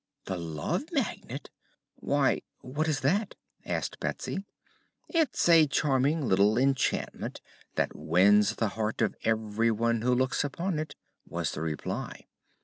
"The Love Magnet! Why, what is that?" asked Betsy. "It's a charming little enchantment that wins the heart of everyone who looks upon it," was the reply.